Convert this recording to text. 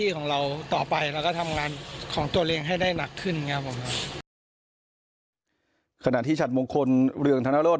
ขณะที่ฉัดมงคลเรืองธนโรธ